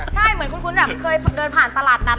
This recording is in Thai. ใช่เหมือนคุ้นแบบเคยเดินผ่านตลาดนัด